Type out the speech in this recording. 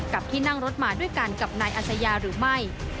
ที่นั่งรถมาด้วยกันกับนายอัศยาหรือไม่